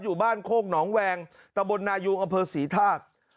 อยู่บ้านโคกหนองแวงตะบลนายุงอำเภอศรีทาก